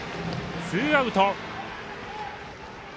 ツーアウト。